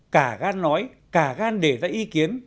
cả gan nói cả gan để ra ý kiến